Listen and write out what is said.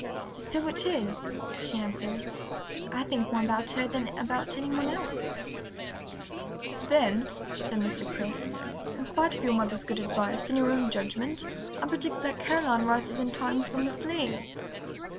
"So it is," she answered. "I think more about her than about any one else." "Then," said Mr. Crisp, "in spite of your mother's good advice and your own judgment I predict that Caroline rises in time from the flames."